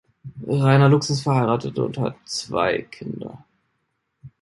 Rainer Lux ist verheiratet und hat zwei Kinder.